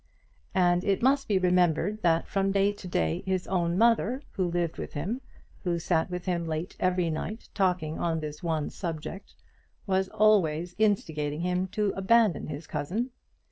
And it must be remembered that from day to day his own mother, who lived with him, who sat with him late every night talking on this one subject, was always instigating him to abandon his cousin.